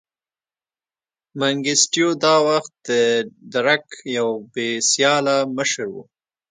منګیسټیو دا وخت د درګ یو بې سیاله مشر و.